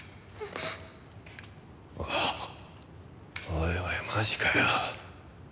おいおいマジかよ。